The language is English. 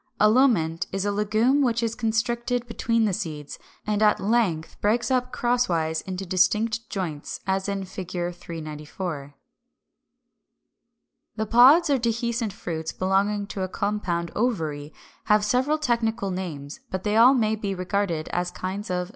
A LOMENT is a legume which is constricted between the seeds, and at length breaks up crosswise into distinct joints, as in Fig. 394. 369. The pods or dehiscent fruits belonging to a compound ovary have several technical names: but they all may be regarded as kinds of 370.